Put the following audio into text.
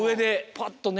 パッとね。